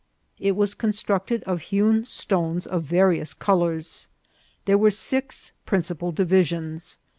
It was constructed of hewn stones of various colours. There were six principal divisions.